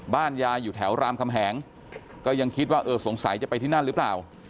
บ้านยายอยู่แถวรามคำแหงก็ยังคิดว่าเออสงสัยจะไปที่นั่นหรือเปล่า